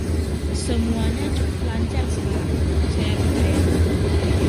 Semuanya cukup lancar sekarang, saya percaya?